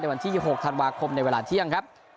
วันที่๖ธันวาคมในเวลาเที่ยงครับ